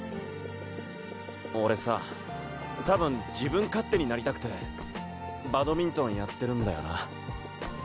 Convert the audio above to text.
俺さぁたぶん自分勝手になりたくてバドミントンやってるんだよな。